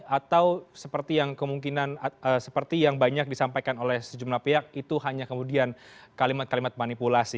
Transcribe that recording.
atau seperti yang banyak disampaikan oleh sejumlah pihak itu hanya kemudian kalimat kalimat manipulasi